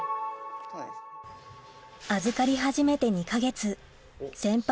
預かり始めて２か月先輩